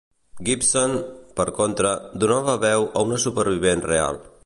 Gibson, per contra, donava veu a una supervivent real.